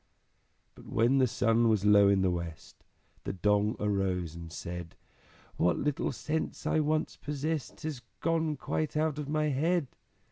But when the sun was low in the West, The Dong arose and said, "What little sense I once possessed Has quite gone out of my head!"